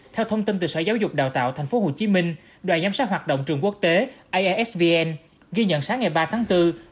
theo thông tin từ sở giáo dục đào tạo tp hcm đoàn giám sát hoạt động trường quốc tế aisvn ghi nhận sáng ngày ba tháng bốn